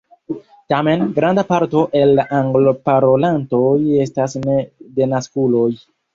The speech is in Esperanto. Tamen, granda parto el la Anglo-parolantoj estas ne-denaskuloj.